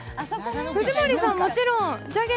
藤森さん、もちろんじゃげ